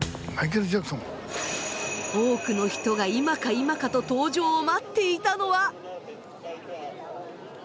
多くの人が今か今かと登場を待っていたのは。